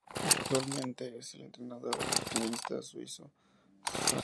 Actualmente es el entrenador del tenista suizo Stanislas Wawrinka.